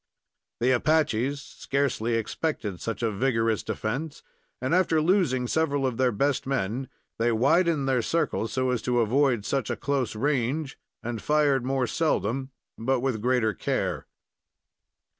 The Apaches scarcely expected such a vigorous defense, and, after losing several of their best men, they widened their circle so as to avoid such a close range, and fired more seldom, but with greater care.